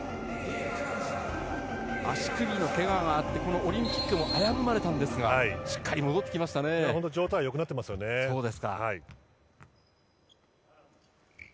足首のけががあってこのオリンピックも危ぶまれたんですが状態よくなっています。